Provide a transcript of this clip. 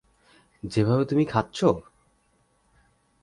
যেভাবে তুমি খাচ্ছ?